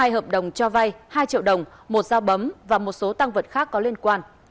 hai hợp đồng cho vay hai triệu đồng một dao bấm và một số tăng vật khác có liên quan